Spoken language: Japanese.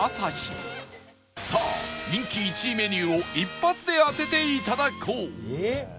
さあ人気１位メニューを一発で当てて頂こう！